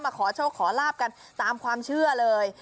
ขอโชคขอลาบกันตามความเชื่อเลย